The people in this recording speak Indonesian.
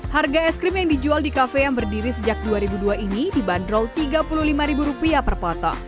harga es krim yang dijual di kafe yang berdiri sejak dua ribu dua ini dibanderol rp tiga puluh lima per potong